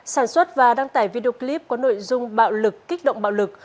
sản xuất và đăng tải video clip có nội dung bạo lực kích động bạo lực